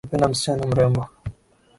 Napenda msichana mrembo